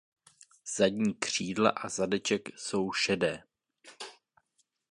Zadní křídla a zadeček jsou šedé.